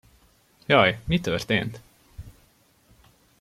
Jaj, mi történt?